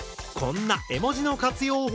こんな絵文字の活用